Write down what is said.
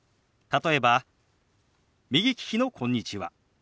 例えば右利きの「こんにちは」。